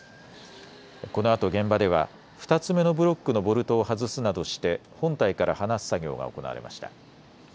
このあと現場では２つ目のブロックのボルトを外すなどして本体から離す作業が行われました。